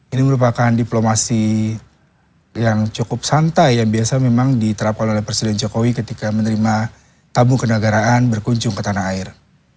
ini merupakan diplomasi yang cukup santai yang biasa memang diterapkan oleh presiden jokowi ketika menerima tamu kenegaraan berkunjung ke tanah air